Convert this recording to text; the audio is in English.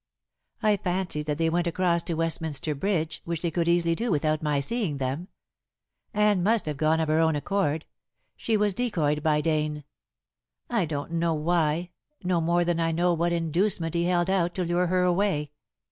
I fancied that they went across to Westminster Bridge, which they could easily do without my seeing them. Anne must have gone of her own accord. She was decoyed by Dane. I don't know why, no more than I know what inducement he held out to lure her away.